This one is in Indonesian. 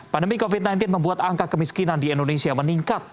pandemi covid sembilan belas membuat angka kemiskinan di indonesia meningkat